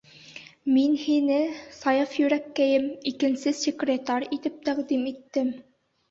Мин һине, Саяф йөрәкәйем, икенсе секретарь итеп тәҡдим иттем.